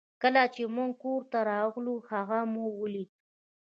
کله چې موږ کور ته راغلو هغه مو ولید